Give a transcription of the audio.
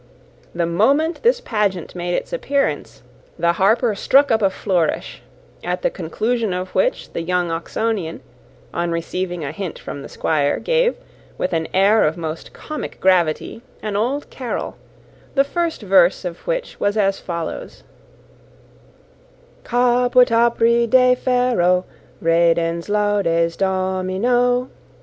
The moment this pageant made its appearance, the harper struck up a flourish; at the conclusion of which the young Oxonian, on receiving a hint from the Squire, gave, with an air of the most comic gravity, an old carol, the first verse of which was as follows: "Caput apri defero Reddens laudes Domino.